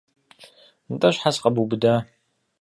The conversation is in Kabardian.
НтӀэ щхьэ сыкъэбубыда?